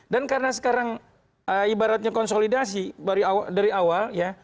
karena sekarang ibaratnya konsolidasi dari awal ya